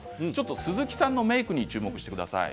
鈴木さんのメークに注目してください。